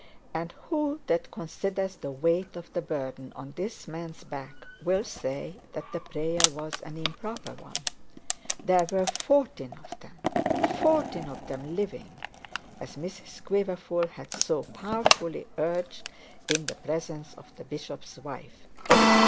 And who that considers the weight of the burden on this man's back, will say that the prayer was an improper one? There were fourteen of them fourteen of them living as Mrs Quiverful had so powerfully urged in the presence of the bishop's wife.